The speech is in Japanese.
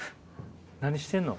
何してんの？